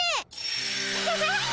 アハハッ！